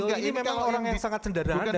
ini memang orang yang sangat senderhana dan humble